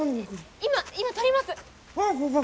今今取ります！